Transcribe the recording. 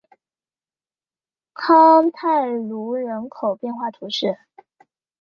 康泰卢人口变化图示